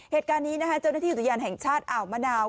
เหตุการณ์นี้นะคะเจ้าหน้าที่อุทยานแห่งชาติอ่าวมะนาว